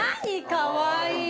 かわいい。